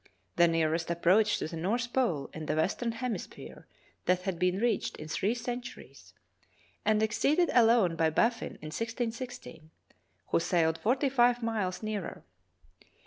the nearest approach to the north pole in the western hemisphere that had been reached in three centuries, and exceeded alone by Baffin in 1616, who sailed forty five miles nearer.